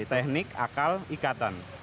teknik akal ikatan